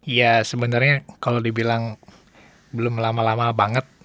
ya sebenernya kalo dibilang belum lama lama banget